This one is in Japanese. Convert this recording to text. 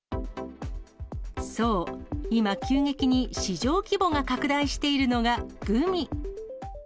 そう、今、急激に市場規模が拡大しているのがグミ。